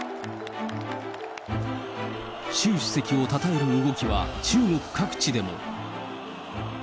習主席をたたえる動きは中国各地でも。